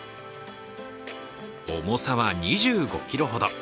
重さは２５ｋｇほど。